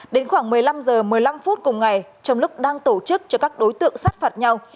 đến khoảng một mươi năm h một mươi năm phút cùng ngày trong lúc đang tổ chức cho các đối tượng sát phạt nhau